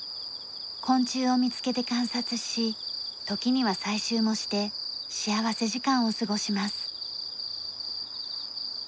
昆虫を見つけて観察し時には採集もして幸福時間を過ごします。